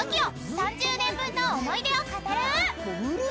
３０年分の思い出を語る。